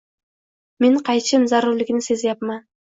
— men qaytishim zarurligini sezayapman.